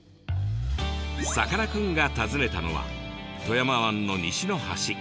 さかなクンが訪ねたのは富山湾の西の端。